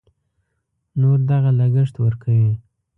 نور دغه لګښت ورکوي.